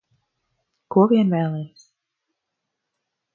Ko vien vēlies.